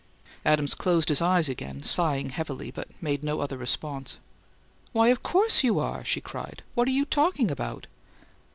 Adams closed his eyes again, sighing heavily, but made no other response. "Why, of COURSE you are!" she cried. "What are you talking about?"